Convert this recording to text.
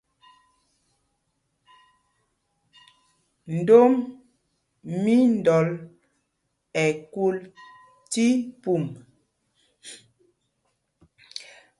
Ndom mí Ndɔl ɛ kul tí pum.